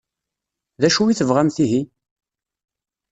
D acu i tebɣamt ihi?